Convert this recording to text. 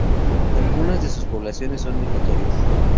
Algunas de sus poblaciones son migratorias.